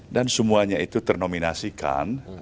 dan semuanya itu ternominasikan